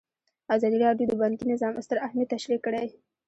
ازادي راډیو د بانکي نظام ستر اهميت تشریح کړی.